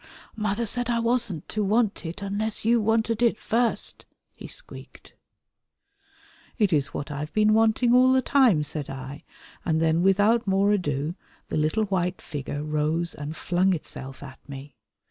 "Mother said I wasn't to want it unless you wanted it first," he squeaked. "It is what I have been wanting all the time," said I, and then without more ado the little white figure rose and flung itself at me.